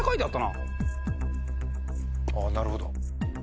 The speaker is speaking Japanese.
あぁなるほど。